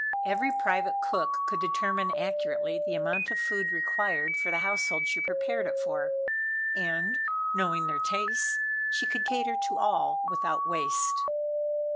Every private cook could determine accurately the amount of food required for the household she prepared it for, and knowing their tastes she could cater to all without waste.